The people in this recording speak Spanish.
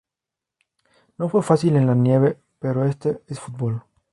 No fue fácil en la nieve pero este es fútbol.